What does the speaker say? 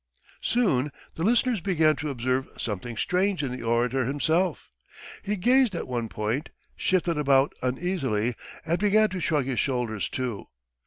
Soon the listeners began to observe something strange in the orator himself. He gazed at one point, shifted about uneasily and began to shrug his shoulders too.